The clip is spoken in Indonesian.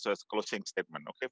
seperti pertanyaan penutup